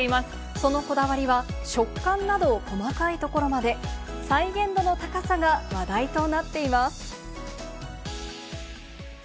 そのこだわりは、食感など、細かいところまで、再現度の高さが話題となっています。